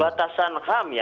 batasan ham ya